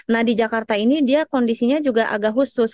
nah di jakarta ini dia kondisinya juga agak khusus